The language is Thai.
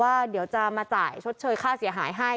เดี๋ยวจะมาจ่ายชดเชยค่าเสียหายให้